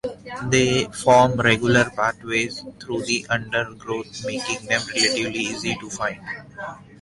They form regular pathways through the undergrowth, making them relatively easy to find.